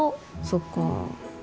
そっか。